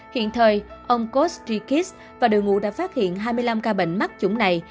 hiện thời ông kostikis và đội ngũ đã phát hiện hai mươi năm ca bệnh mắc chủng này